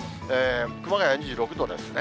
熊谷２６度ですね。